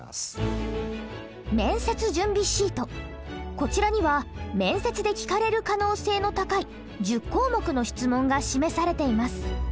こちらには面接で聞かれる可能性の高い１０項目の質問が示されています。